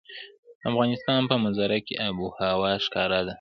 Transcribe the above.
د افغانستان په منظره کې آب وهوا ښکاره ده.